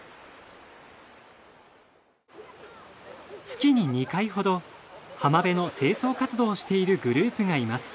月に２回ほど浜辺の清掃活動をしているグループがいます。